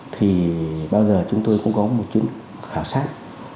thì bao giờ chúng tôi cũng có một chuyến khảo sát